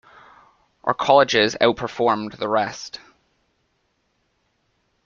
Our colleges outperformed the rest.